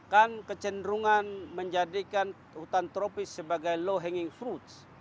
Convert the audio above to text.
kan kecenderungan menjadikan hutan tropis sebagai low hanging fruit